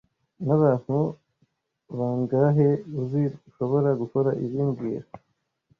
Nabantu bangahe uzi ushobora gukora ibi mbwira